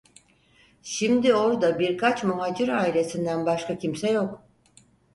Şimdi orda birkaç muhacir ailesinden başka kimse yok.